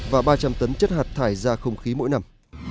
và ba trăm linh tấn chất hạt thải ra không khí mỗi năm